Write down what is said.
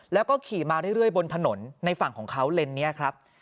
แล้วก็ขี่มาเรื่อยบนถนนในฝั่งของเขาเลนส์นี้ครับ